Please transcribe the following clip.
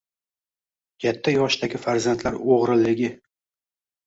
Katta yoshdagi farzandlar o‘g‘riligi